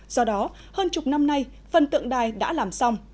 do đó hơn chục năm nay phần tượng đài đã làm xong